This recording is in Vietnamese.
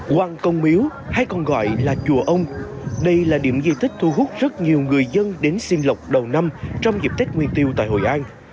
quang công miếu hay còn gọi là chùa ông đây là điểm di tích thu hút rất nhiều người dân đến xin lọc đầu năm trong dịp tết nguyên tiêu tại hội an